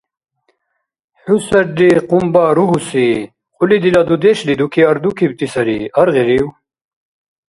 ХӀу сарри къунба ругьуси! Кьули дила дудешли дуки ардукибти сари. Аргъирив?